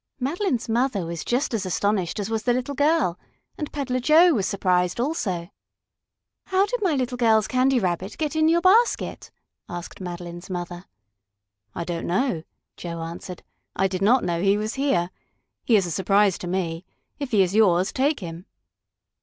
Madeline's mother was just as astonished as was the little girl; and Peddler Joe was surprised also. "How did my little girl's Candy Rabbit get in your basket?" asked Madeline's mother. "I don't know," Joe answered. "I did not know he was here. He is a surprise to me. If he is yours, take him."